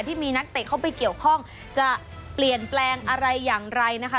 ที่มีนักเตะเข้าไปเกี่ยวข้องจะเปลี่ยนแปลงอะไรอย่างไรนะคะ